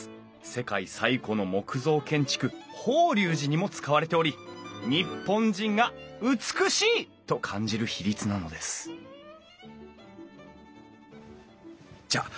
世界最古の木造建築法隆寺にも使われており日本人が美しいと感じる比率なのですじゃあ